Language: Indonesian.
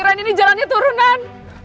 randy ini jalannya turunan